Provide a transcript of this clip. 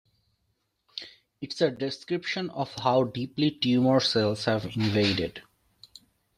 It is a description of how deeply tumor cells have invaded.